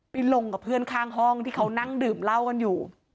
ลงกับเพื่อนข้างห้องที่เขานั่งดื่มเหล้ากันอยู่